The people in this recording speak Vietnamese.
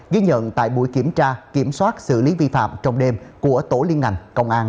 ghi nhận tại buổi kiểm tra kiểm soát xử lý vi phạm trong đêm của tổ liên ngành công an ba trăm sáu mươi ba